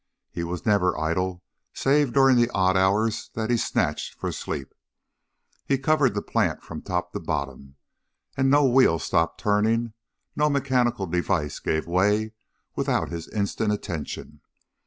He was never idle save during the odd hours that he snatched for sleep. He covered the plant from top to bottom, and no wheel stopped turning, no mechanical device gave way, without his instant attention.